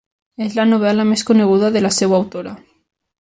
És la novel·la més coneguda de la seva autora.